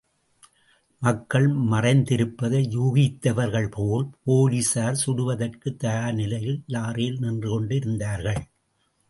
மக்கள் மறைந்திருப்பதை யூகித்தவர்கள் போல் போலீஸார் சுடுவதற்குத் தயார் நிலையில் லாரியில் நின்று கொண்டு இருந்தார்கள்.